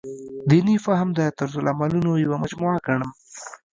دیني فهم د طرزالعملونو یوه مجموعه ګڼم.